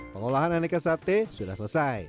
pengolahan aneka sate sudah selesai